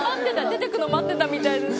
出てくの待ってたみたいで。